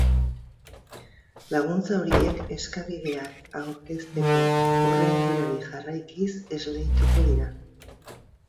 Laguntza horiek eskabideak aurkezteko hurrenkerari jarraikiz esleituko dira.